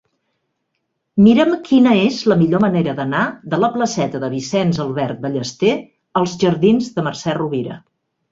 Mira'm quina és la millor manera d'anar de la placeta de Vicenç Albert Ballester als jardins de Mercè Rovira.